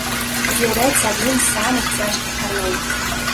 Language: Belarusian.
З'яўляецца адным з самых цяжкіх арлоў.